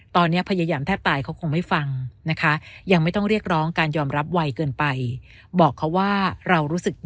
ตอนนี้พยายามแทบตายเขาคงไม่ฟังนะคะ